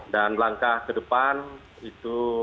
dan langkah ke depan itu